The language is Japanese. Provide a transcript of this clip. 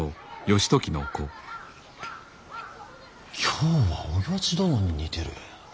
今日はおやじ殿に似てる。